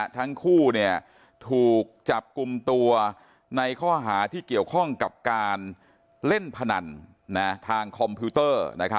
ทั้งคู่ถูกจับกลุ่มตัวในข้อหาที่เกี่ยวข้องกับการเล่นพนันทางคอมพิวเตอร์